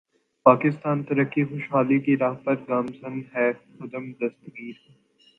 پاکستان ترقی خوشحالی کی راہ پر گامزن ہے خرم دستگیر